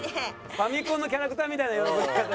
ファミコンのキャラクターみたいな喜び方してる。